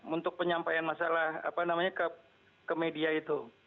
untuk penyampaian masalah apa namanya ke media itu